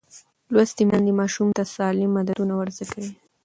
لوستې میندې ماشوم ته سالم عادتونه ورزده کوي.